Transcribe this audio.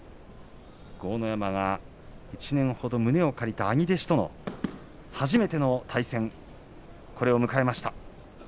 １年ほど胸を借りた兄弟子と初めての対戦を迎えました。